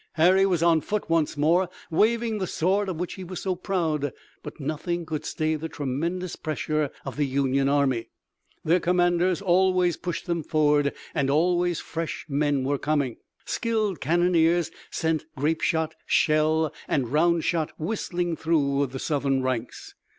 Harry was on foot once more, waving the sword of which he was so proud. But nothing could stay the tremendous pressure of the Union army. Their commanders always pushed them forward and always fresh men were coming. Skilled cannoneers sent grape shot, shell and round shot whistling through the Southern ranks.